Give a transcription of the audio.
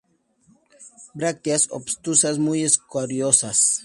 Brácteas obtusas muy escariosas.